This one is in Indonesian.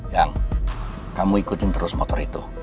yang kamu ikutin terus motor itu